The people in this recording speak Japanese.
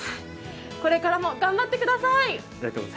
これからも頑張ってください。